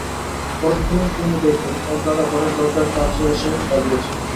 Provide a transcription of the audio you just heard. পরক্ষণেই কুমু দেখে ওর দাদা ঘরের দরজার কাছে এসে দাঁড়িয়েছে।